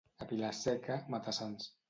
A Vila-seca, mata-sants.